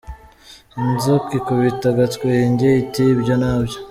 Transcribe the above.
Inzoka ikubita agatwenge! Iti “Ibyo na byo!”.